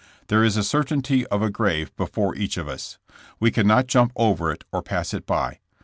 There is a certainty of a grave before each of us. We cannot jump over it or pass it by.